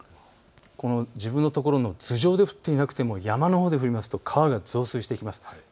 自分のところの頭上で降っていなくても山のほうで降ると川が増水してきます。